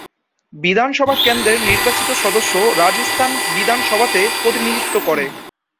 বিধানসভা কেন্দ্রের নির্বাচিত সদস্য রাজস্থান বিধানসভাতে প্রতিনিধিত্ব করে।